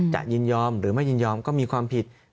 ยินยอมหรือไม่ยินยอมก็มีความผิด